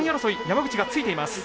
山口がついています。